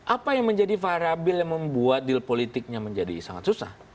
apa yang menjadi variabel yang membuat deal politiknya menjadi sangat susah